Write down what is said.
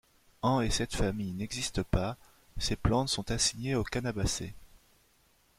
En et cette famille n'existe pas; ces plantes sont assignées aux Cannabacées.